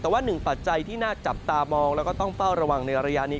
แต่ว่าหนึ่งปัจจัยที่น่าจับตามองแล้วก็ต้องเฝ้าระวังในระยะนี้